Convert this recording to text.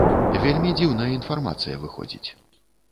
Вельмі дзіўная інфармацыя выходзіць.